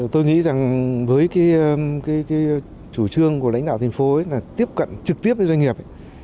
tôi nghĩ rằng với cái chủ trương của lãnh đạo thành phố là tiếp cận trực tiếp với doanh nghiệp